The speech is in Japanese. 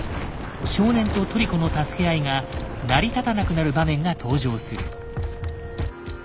少年とトリコの助け合いが成り立たなくなる場面が登場する。